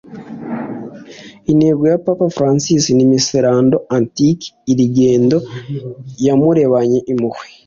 Intego ya Papa Francis ni “Miserando atque eligendo” (yamurebanye impuhwe